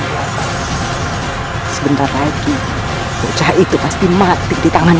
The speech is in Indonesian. kami benar benar sembuh raden